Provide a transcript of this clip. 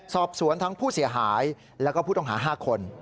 สอบสวนทั้งผู้เสียหายแล้วก็ผู้ต้องหา๕คน